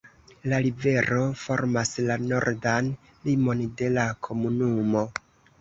La rivero formas la nordan limon de la komunumo.